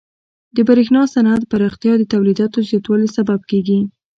د برېښنا صنعت پراختیا د تولیداتو زیاتوالي سبب کیږي.